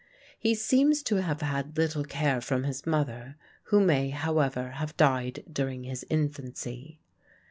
He seems to have had little care from his mother, who may, however, have died during his infancy.